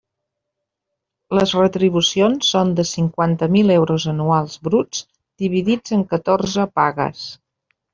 Les retribucions són de cinquanta mil euros anuals bruts, dividits en catorze pagues.